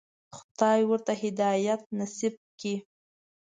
خدای ورته هدایت نصیب کړی.